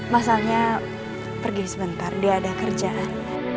mas alnya pergi sebentar dia ada kerjaan